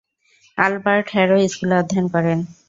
Albert harrow স্কুলে অধ্যয়ন করেন।